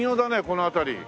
この辺り。